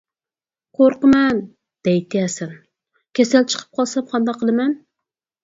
— قورقىمەن، — دەيتتى ھەسەن، — كېسەل چىقىپ قالسام قانداق قىلىمەن.